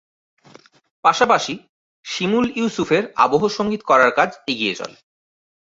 পাশাপাশি শিমুল ইউসুফের আবহ সঙ্গীত করার কাজ এগিয়ে চলে।